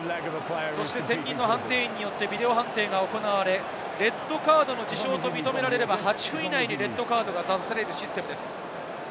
そして専任の判定員によってビデオ判定が行われ、レッドカードの事象と認められれば８分以内にレッドカードが出されるシステムです。